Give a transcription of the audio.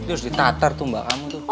dia harus ditatar tuh mbak kamu tuh